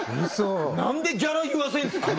なんでギャラ言わせんすか！？